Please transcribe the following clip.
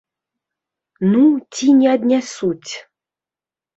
Ну, ці не аднясуць.